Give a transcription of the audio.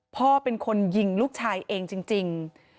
พ่อเป็นคนยิงลูกชายเองจริง